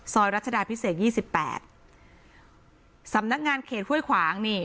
รัชดาพิเศษยี่สิบแปดสำนักงานเขตห้วยขวางนี่